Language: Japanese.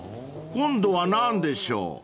［今度は何でしょう？］